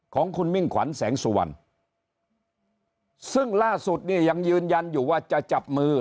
ของคุณมิ่งขวัญแสงสุวรรณซึ่งล่าสุดเนี่ยยังยืนยันอยู่ว่าจะจับมือ